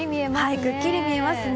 くっきり見えますね。